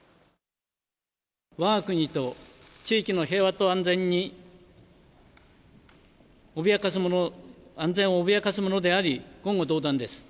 わが国と地域の平和と安全を脅かすものであり、言語道断です。